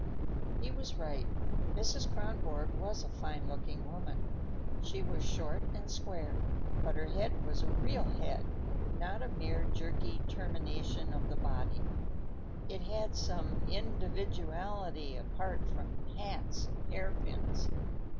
He was right; Mrs. Kronborg was a fine looking woman. She was short and square, but her head was a real head, not a mere jerky termination of the body. It had some individuality apart from hats and hairpins.